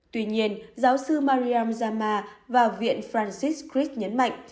tuy nhiên giáo sư mariam zama và viện francis christ nhấn mạnh